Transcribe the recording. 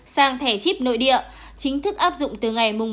sang thẻ chip nội địa chính thức áp dụng từ ngày một một hai nghìn hai mươi hai